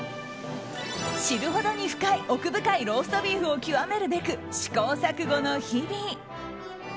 知るほどに奥深いローストビーフを極めるべく試行錯誤の日々。